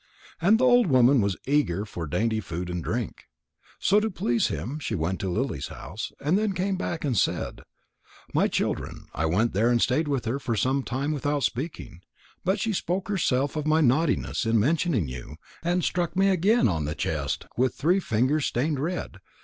And the old woman was eager for dainty food and drink. So to please him she went to Lily's house, and then came back and said: "My children, I went there and stayed with her for some time without speaking. But she spoke herself of my naughtiness in mentioning you, and struck me again on the chest with three fingers stained red.